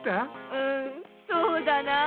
うんそうだなあ。